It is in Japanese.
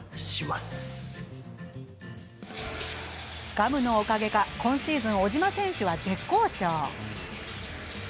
ガムのおかげか今シーズン、小島選手は絶好調。